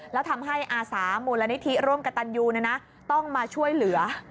แล้วทำให้อาสามูลนิธิร่วมกับตันยูต้องมาช่วยเหลือ